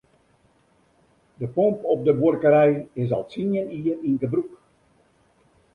De pomp op de buorkerij is al tsien jier yn gebrûk.